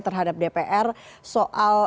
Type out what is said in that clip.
terhadap dpr soal